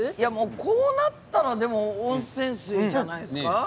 そうなったら温泉水じゃないんですか？